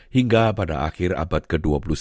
hingga pada akhir abad ke dua puluh satu